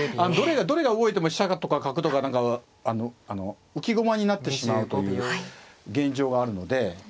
どれが動いても飛車とか角とか何かあの浮き駒になってしまうという現状があるので。